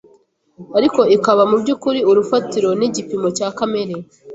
ariko ikaba mu by’ukuri urufatiro n’igipimo cya kamere.